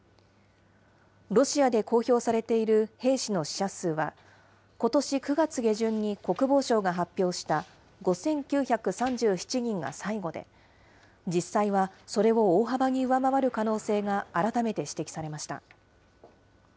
ロシアで公表されている兵士の死者数は、ことし９月下旬に国防省が発表した５９３７人が最後で、実際はそれを大幅に上回る可能性が改めて指摘されました。